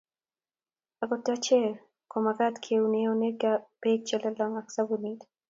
akot achek ko mekat keune eunek beek che lolong ak sabunit